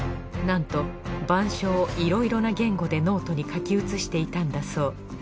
なんと板書をいろいろな言語でノートに書き写していたんだそう。